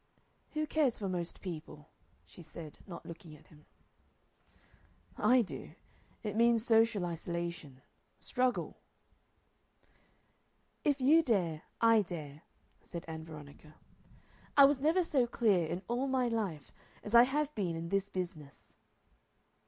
"Who cares for most people?" she said, not looking at him. "I do. It means social isolation struggle." "If you dare I dare," said Ann Veronica. "I was never so clear in all my life as I have been in this business."